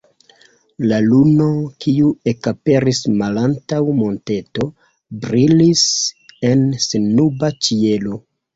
La luno, kiu ekaperis malantaŭ monteto, brilis en sennuba ĉielo.